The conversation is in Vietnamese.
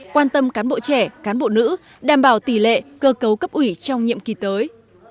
quan tâm cán bộ trẻ cán bộ nữ đảm bảo tỷ lệ cơ cấu cấp ủy trong nhiệm kỳ tới